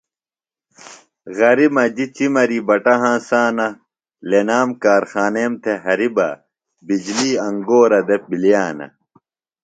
غری مجیۡ چِمری بٹہ ہنسانہ لنام کارخانیم تھےۡ ہریۡ بہ بِجلی انگورہ دےۡ بِلیانہ۔